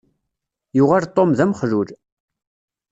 Yuɣal Tom d amexlul.